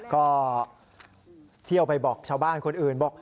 ก็เที่ยวไปบอกชาวบ้านคนอื่นบอก